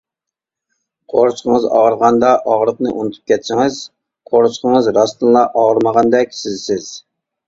قورسىقىڭىز ئاغرىغاندا ئاغرىقنى ئۇنتۇپ كەتسىڭىز، قورسىقىڭىز راستتىنلا ئاغرىمىغاندەك سېزىسىز.